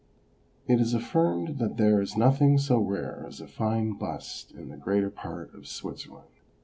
It is affirmed that there is nothing so rare as a fine bust in the greater part of Switzerland.